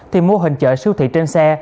thì mô hình chợ siêu thị trên xe